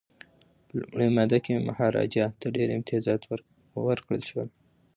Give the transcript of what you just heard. په لومړۍ ماده کي مهاراجا ته ډیر امتیازات ورکړل شول.